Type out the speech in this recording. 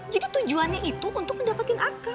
jadi tujuannya itu untuk mendapatin arka